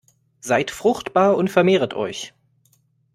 Seid fruchtbar und vermehrt euch!